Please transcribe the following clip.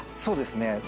そうですね。